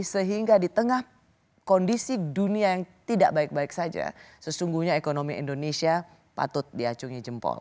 sehingga di tengah kondisi dunia yang tidak baik baik saja sesungguhnya ekonomi indonesia patut diacungi jempol